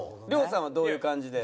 亮さんはどういう感じで？